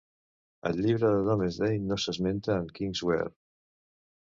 Al llibre de Domesday no s'esmenta en Kingswear.